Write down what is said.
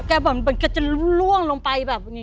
แกจะล่วงลงไปแบบ